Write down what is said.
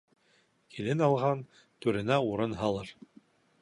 Килен алған түренә урын һалыр.